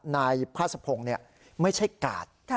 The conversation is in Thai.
นายพระสะพงเนี่ยไม่ใช่การ์ด